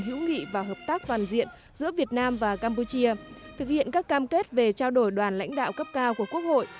hữu nghị và hợp tác toàn diện giữa việt nam và campuchia thực hiện các cam kết về trao đổi đoàn lãnh đạo cấp cao của quốc hội